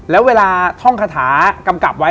แล้วเวลาท่องคาถากำกับไว้